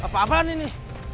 kau mau ke kota ini